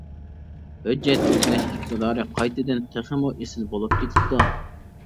ھۆججەت يۈكلەش ئىقتىدارى قايتىدىن تېخىمۇ ئېسىل بولۇپ كېتىپتۇ.